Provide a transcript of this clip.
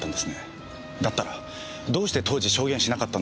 だったらどうして当時証言しなかったんですか？